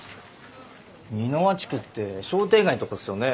美ノ和地区って商店街のとこっすよね？